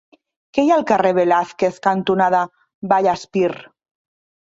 Què hi ha al carrer Velázquez cantonada Vallespir?